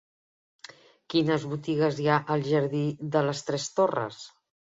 Quines botigues hi ha al jardí de les Tres Torres?